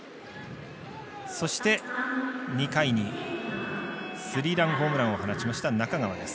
そして、２回にスリーランホームランを放ちました、中川です。